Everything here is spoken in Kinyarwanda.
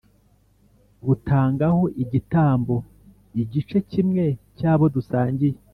butangaho igitambo igice kimwe cy'abo dusangiye